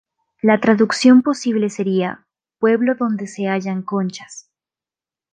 La traducción posible sería; pueblo donde se hallan conchas.